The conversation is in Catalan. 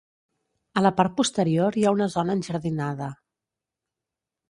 A la part posterior hi ha una zona enjardinada.